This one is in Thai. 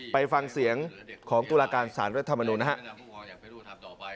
ไปฟังเสียงของธุรการศาลรัฐธรรมนุมนะครับ